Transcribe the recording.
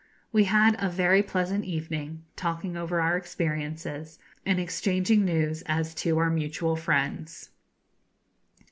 We had a very pleasant evening, talking over our experiences, and exchanging news as to our mutual friends.